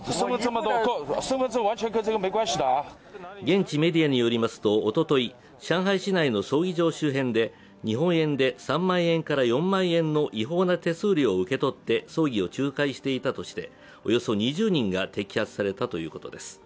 現地メディアによりますと、おととい、上海市内の葬儀場周辺で日本円で３万円から４万円の違法な手数料を受け取って葬儀を仲介していたとして、およそ２０人が摘発されたということです。